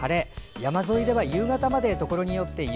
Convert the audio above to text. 山沿いでは夕方までところによって雪。